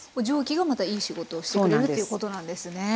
蒸気がまたいい仕事をしてくれるっていうことなんですね。